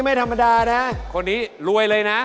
เฮ้ยรวยเลยนะ